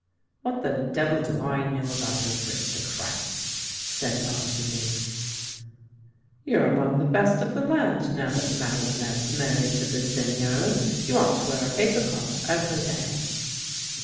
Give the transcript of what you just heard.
"" What the devil do I know about aristocrats! " said Lajeunesse. THE LANE THAT HAD NO TURNING 15 " You're among the best of the land, now that Made linette's married to the Seigneur. You ought to wear a paper collar every day!